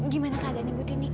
gimana keadaannya butini